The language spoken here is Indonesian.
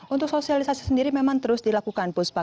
untuk sosialisasi sendiri memang terus dilakukan pus pak